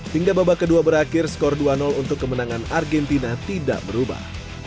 hingga babak kedua berakhir skor dua untuk kemenangan argentina tidak berubah